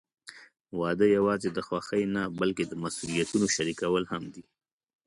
واده یوازې د خوښۍ نه، بلکې د مسوولیتونو شریکول هم دي.